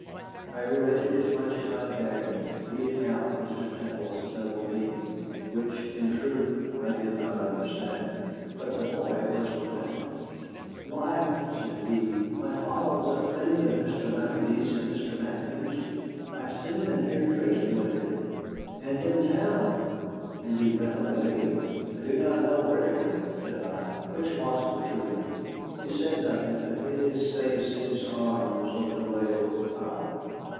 I related as much as I dared, leaving out Mr. Temple's double dealing; which, in truth, I did not understand. But the boy was relentless. "Why," said he, "my father was a friend of Mr. Lowndes and Mr. Mathews. I have seen them here drinking with him. And in town. And he ran away?" "I do not know where he went," said I, which was the truth. He said nothing, but hid his face in his arms over the rail of the bower.